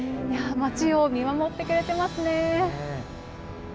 町を見守ってくれていますね。